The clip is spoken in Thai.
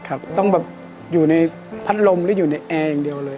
ครับต้องแบบอยู่ในพัดลมหรืออยู่ในแอร์อย่างเดียวเลย